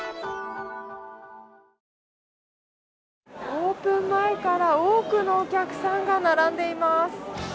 オープン前から多くのお客さんが並んでいます。